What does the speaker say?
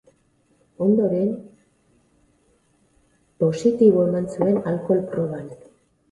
Ondoren, positibo eman zuen alkohol-proban.